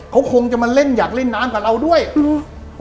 เขาคงจะมาเล่นอยากเล่นน้ำกับเราด้วยอืม